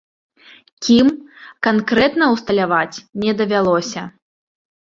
Кім, канкрэтна ўсталяваць не давялося.